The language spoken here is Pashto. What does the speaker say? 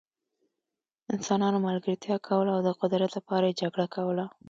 انسانانو ملګرتیا کوله او د قدرت لپاره یې جګړه کوله.